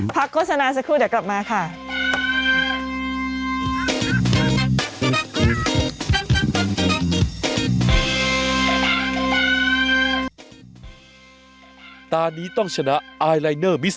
โฆษณาสักครู่เดี๋ยวกลับมาค่ะ